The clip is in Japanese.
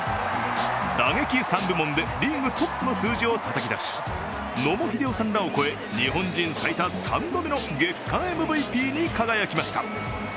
打撃３部門でリーグトップの数字をたたき出し野茂英雄さんらを超え、日本人最多３度目の月間ＭＶＰに輝きました。